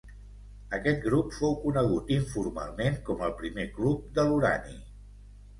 Aquest grup fou conegut informalment com el primer Club de l'urani.